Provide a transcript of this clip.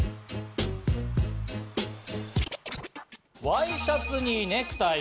ワイシャツにネクタイ。